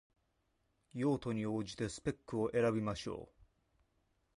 用途に応じてスペックを選びましょう